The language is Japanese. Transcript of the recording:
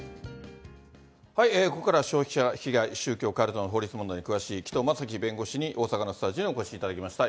ここからは消費者被害、宗教・カルトの法律に詳しい紀藤正樹弁護士に、大阪のスタジオにお越しいただきました。